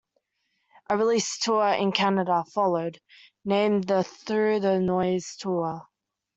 A release tour in Canada followed, named the Through the Noise Tour.